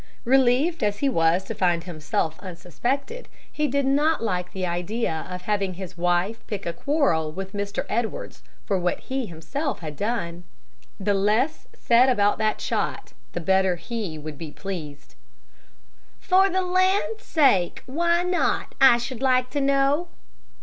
Relieved as he was to find himself unsuspected, he did not like the idea of having his wife pick a quarrel with Mr. Edwards for what he himself had done! The less said about that shot the better he would be pleased. "For the land's sake, why not, I should like to know?"